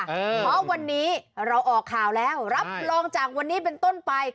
เพราะวันนี้เราออกข่าวแล้วรับรองจากวันนี้เป็นต้นไป